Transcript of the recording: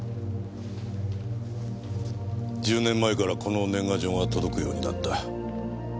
１０年前からこの年賀状が届くようになった。